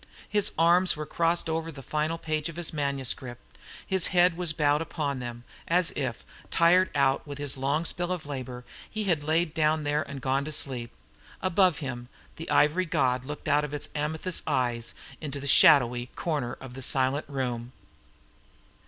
His arms were crossed over the final page of his manuscript; his head was bowed upon them, as if, tired out with his long spell of labour, he had laid it down there and gone to sleep. Above him, the ivory god looked out of its amethyst eyes into the shadowy corner of the silent room.